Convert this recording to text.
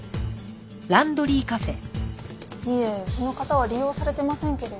いえその方は利用されてませんけど。